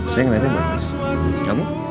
saya nggak bisa melihatnya berat kamu